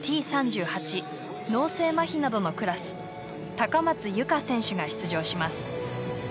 高松佑圭選手が出場します。